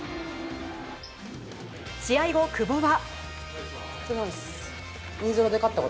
試合後、久保は。